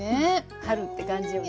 春って感じよね。